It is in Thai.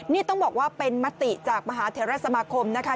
นี่ต้องบอกว่าเป็นมติจากมหาเทราสมาคมนะคะ